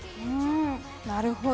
なるほど。